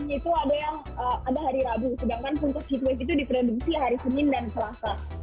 itu ada yang ada hari rabu sedangkan untuk heatwave itu diproduksi hari senin dan selasa